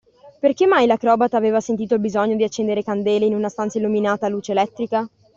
Perché mai l’acrobata aveva sentito il bisogno di accendere candele in una stanza illuminata a luce elettrica?